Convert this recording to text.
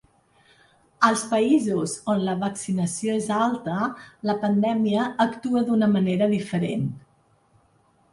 Als països on la vaccinació és alta la pandèmia actua d’una manera diferent.